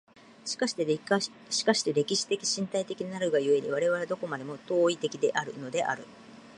しかして歴史的身体的なるが故に、我々はどこまでも当為的であるのである。